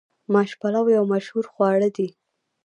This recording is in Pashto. ماش پلو یو مشهور خواړه دي.